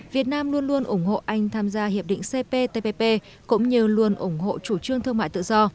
việt nam luôn luôn ủng hộ anh tham gia hiệp định cptpp cũng như luôn ủng hộ chủ trương thương mại tự do